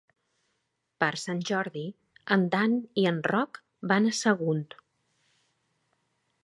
Per Sant Jordi en Dan i en Roc van a Sagunt.